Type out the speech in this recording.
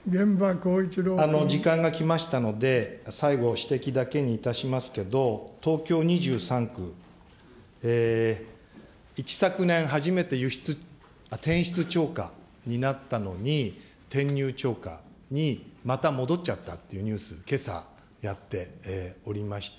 時間が来ましたので、最後、指摘だけにいたしますけど、東京２３区、一昨年、初めて転出超過になったのに、転入超過にまた戻っちゃったってニュース、けさやっておりました。